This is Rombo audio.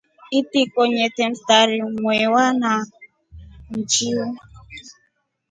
Itiko nyete mstari mwewa na njiu.